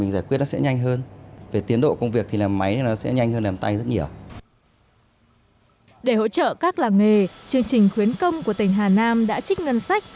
để hỗ trợ các làng nghề chương trình khuyến công của tỉnh hà nam đã trích ngân sách